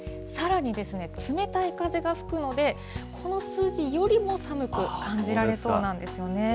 さらにですね、冷たい風が吹くので、この数字よりも寒く感じられそうなんですよね。